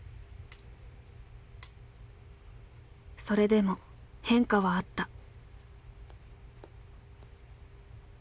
それでも変化はあった。